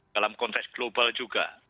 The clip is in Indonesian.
dalam konteks global juga